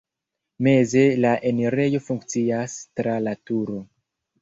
Meze la enirejo funkcias (tra la turo).